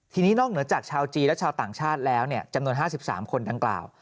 ทีนี้นอกเหนือจากชาวจีนและชาวต่างชาติแล้วเนี่ยจำหน่วงห้าสิบสามคนดังกราว